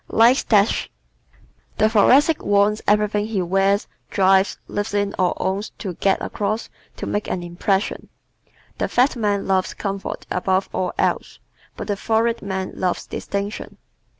Likes Dash ¶ The Thoracic wants everything he wears, drives, lives in or owns to "get across," to make an impression. The fat man loves comfort above all else, but the florid man loves distinction.